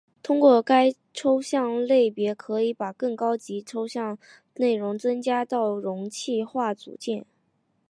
通过该种抽象类别可以把更高级别的抽象内容增加到容器化组件。